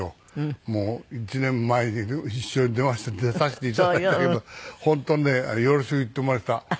もう１年前に一緒に出させて頂いたけど本当ねよろしく言っていました。